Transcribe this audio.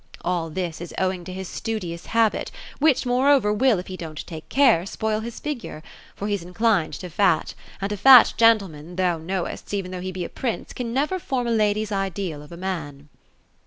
All this is owing to his studious habit, which moreover, will, if he don't take care, spoil his fi^rure — for he's inclined to fat ; and a fat gentleman, thou know'st, even though he be a prince, can never form a lady's Ideal of a man."